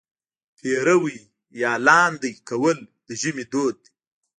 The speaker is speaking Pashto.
پېروی یا لاندی کول د ژمي دود دی.